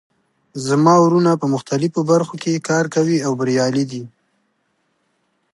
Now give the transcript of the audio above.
زما وروڼه په مختلفو برخو کې کار کوي او بریالي دي